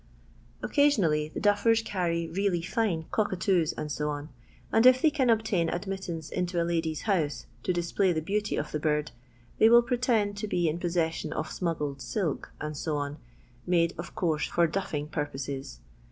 Occasionally the duffers carry really fine cock atoos, &C., and if they can obtain admittance into a Udy's house, to display the beauty of the bird, they will pretend to be in possession of smuggled silk, &c., made of course for duffing purposes.